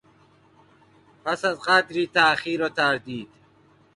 پس از قدری تاخیر و تردید...